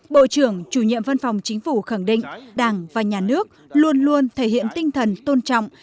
bộ trưởng chủ nhiệm văn phòng chính phủ khẳng định đảng và nhà nước luôn luôn thể hiện tinh thần tôn trọng